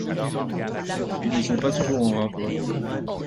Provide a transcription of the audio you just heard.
Ils ne sont pas toujours en rapport.